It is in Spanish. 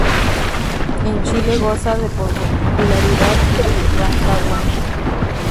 En Chile goza de popularidad en Rancagua.